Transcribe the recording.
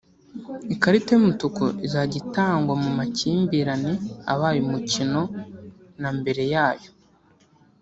Ikarita y’umutuku izajya itangwa mu makimbirane abaye mukino na mbere yayo